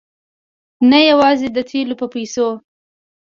نه یوازې د تېلو په پیسو.